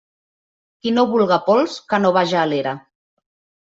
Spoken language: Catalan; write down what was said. Qui no vulga pols, que no vaja a l'era.